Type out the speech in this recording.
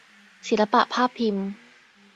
ศิลปะภาพพิมพ์